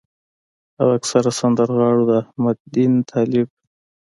او اکثره سندرغاړو د احمد دين طالب